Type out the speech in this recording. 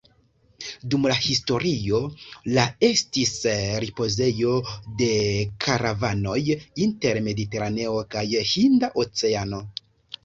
Dum la historio la estis ripozejo de karavanoj inter Mediteraneo kaj Hinda Oceano.